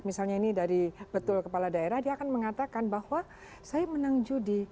misalnya ini dari betul kepala daerah dia akan mengatakan bahwa saya menang judi